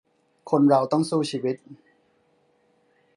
คนเราต้องสู้ชีวิต